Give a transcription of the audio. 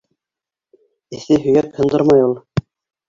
- Эҫе һөйәк һындырмай ул.